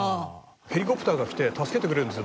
ヘリコプターが来て助けてくれるんですよ